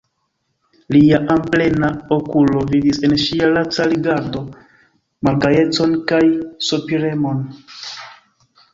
Lia amplena okulo vidis en ŝia laca rigardo malgajecon kaj sopiremon.